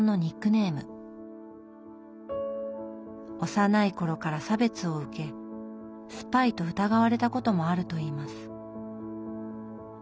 幼い頃から差別を受けスパイと疑われたこともあるといいます。